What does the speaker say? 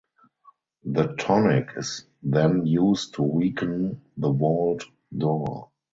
The tonic is then used to weaken the vault door.